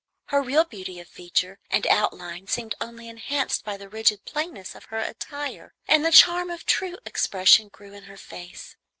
Her real beauty of feature and outline seemed only enhanced by the rigid plainness of her attire, and the charm of true expression grew in her face.